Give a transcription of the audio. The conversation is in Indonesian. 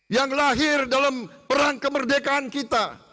yang lahir dalam perang kemerdekaan kita